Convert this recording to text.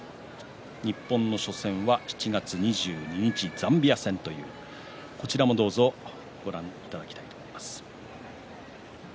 日本の初戦は７月２２日ザンビア戦こちらもどうぞご覧いただきたいと思います。